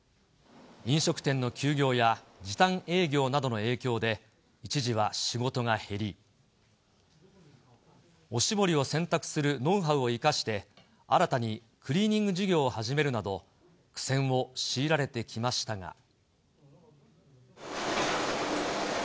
飲食店の休業や、時短営業などの影響で、一時は仕事が減り、おしぼりを洗濯するノウハウを生かして、新たにクリーニング事業を始めるなど、苦戦を強いられてきましたが。